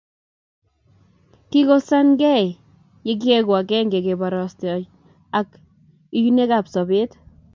Kigoseengeei ye kiegu agenge kebartosi ak uinweekab sobeet